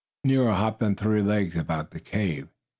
Nero hopped on three legs about the cave.